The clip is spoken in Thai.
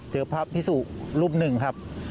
เจอพระพิสุรุป๑ครับ